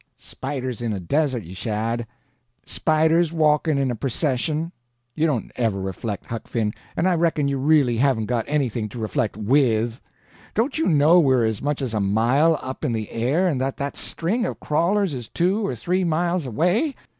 "Spiders in a desert, you shad? Spiders walking in a procession? You don't ever reflect, Huck Finn, and I reckon you really haven't got anything to reflect with. Don't you know we're as much as a mile up in the air, and that that string of crawlers is two or three miles away?